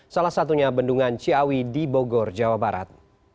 salah satunya bendungan ciawi di bogor jawa barat